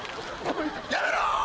やめろ！